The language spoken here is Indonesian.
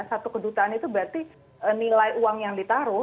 satu kedutaan itu berarti nilai uang yang ditaruh